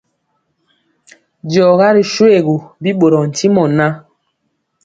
Diɔga ri shoégu, bi ɓorɔɔ ntimɔ ŋan.